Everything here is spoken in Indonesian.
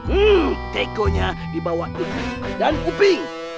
hmm taikonya dibawah uping dan uping